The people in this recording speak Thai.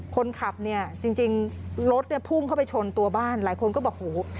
คนขับเนี่ยจริงรถเนี่ยพุ่งเข้าไปชนตัวบ้านหลายคนก็บอกโห